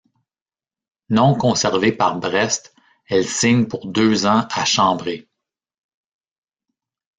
Non conservée par Brest elle signe pour deux ans à Chambray.